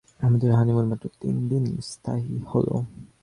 আমাদের হানিমুন মাত্র তিন দিন স্থায়ী হল।